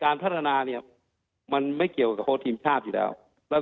พัฒนาเนี่ยมันไม่เกี่ยวกับโค้ดทีมชาติอยู่แล้วแล้ว